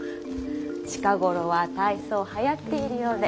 近頃は大層はやっているようで。